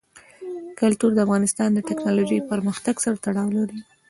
کلتور د افغانستان د تکنالوژۍ پرمختګ سره تړاو لري.